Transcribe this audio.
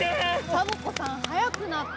サボ子さんはやくなった。